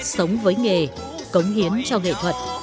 sống với nghề cống hiến cho nghệ thuật